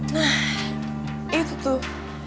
nah itu tuh